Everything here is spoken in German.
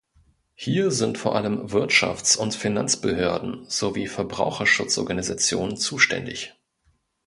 Hier sind vor allem Wirtschafts- und Finanzbehörden sowie Verbraucherschutzorganisationen zuständig.